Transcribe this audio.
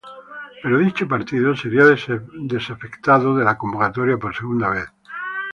Para dicho partido, sería desafectado de la convocatoria por segunda vez.